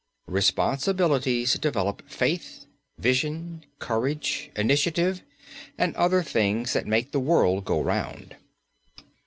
Responsibilities develop faith, vision, courage, initiative, and other things that make the world go round.